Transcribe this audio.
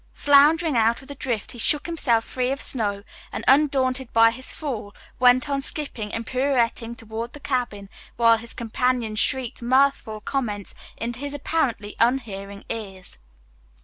'" Floundering out of the drift he shook himself free of snow and, undaunted by his fall, went on skipping and pirouetting toward the cabin, while his companions shrieked mirthful comments into his apparently unhearing ears.